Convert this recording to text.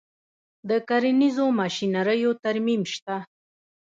د کرنیزو ماشینریو ترمیم شته